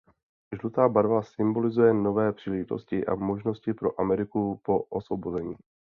Žlutá barva symbolizuje nové příležitosti a možnosti pro Ameriku po osvobození.